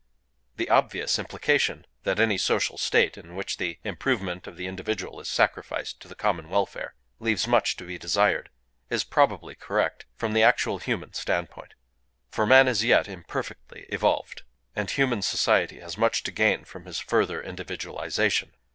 —The obvious implication,—that any social state, in which the improvement of the individual is sacrificed to the common welfare, leaves much to be desired,—is probably correct, from the actual human standpoint. For man is yet imperfectly evolved; and human society has much to gain from his further individualization.